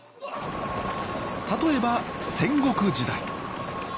例えば戦国時代。